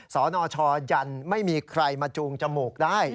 สนชยันไม่มีใครมาจูงจมูกได้